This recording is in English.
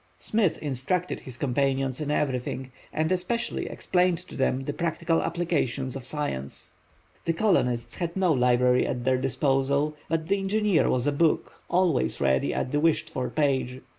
Smith instructed his companions in everything, and especially explained to them the practical applications of science. The colonists had no library at their disposal, but the engineer was a book, always ready, always open at the wished for page.